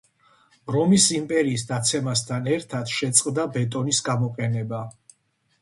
რომის იმპერიის დაცემასთან ერთად შეწყდა ბეტონის გამოყენება.